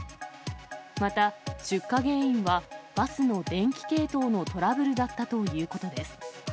また、出火原因は、バスの電気系統のトラブルだったということです。